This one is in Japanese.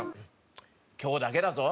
「今日だけだぞ」